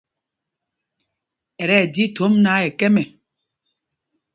Ɛ tí ɛji thōm náǎ, ɛ kɛ̄m ɛ.